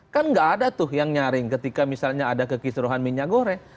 kan nggak ada tuh yang nyaring ketika misalnya ada kekisruhan minyak goreng